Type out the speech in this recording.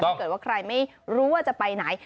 ถ้าเกิดว่าใครไม่รู้ว่าจะไปไหน